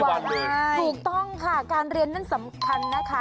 ถูกต้องค่ะการเรียนนั้นสำคัญนะคะ